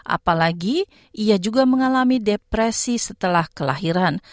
apalagi ia juga mengalami depresi setelah kelahiran